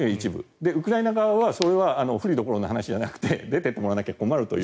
ウクライナ側はそれは不利どころの話じゃなくて出ていってもらわなきゃ困るという。